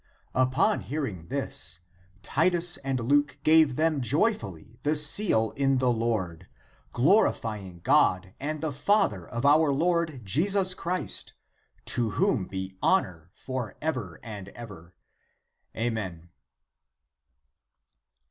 Upon hearing this, Titus and Luke ^^ gave them joyfully the seal in the Lord, glorifying God and the Father of our Lord Jesus Christ, to whom be honor for ever and ever. Amen."